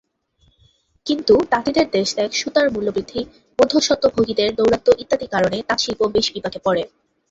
কিন্তু তাঁতিদের দেশত্যাগ, সুতার মূল্যবৃদ্ধি, মধ্যস্বত্বভোগীদের দৌরাত্ম্য ইত্যাদি কারণে তাঁতশিল্প বেশ বিপাকে পড়ে।